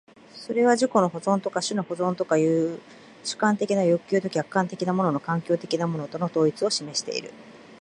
それは自己の保存とか種の保存とかという主観的な欲求と客観的なもの環境的なものとの統一を示している。